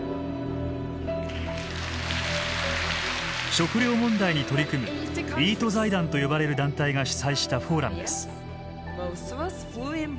食料問題に取り組むＥＡＴ財団と呼ばれる団体が主催したフォーラムです。